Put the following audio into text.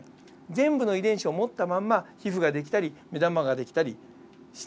全部の遺伝子を持ったまんま皮膚ができたり目玉ができたりしている。